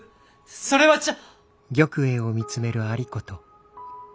それはちゃ。